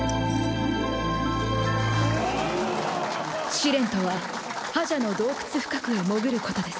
試練とは破邪の洞窟深くへ潜ることです。